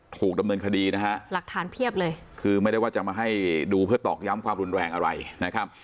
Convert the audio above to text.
ถูกดำเนินคดีนะฮะหลักฐานเพียบเลยคือไม่ได้ว่าจะมาให้ดูเพื่อตอกย้ำความรุนแรงอะไรนะครับ